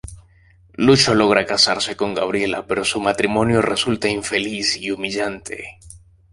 Lucho logra casarse con Gabriela pero su matrimonio resulta infeliz y humillante.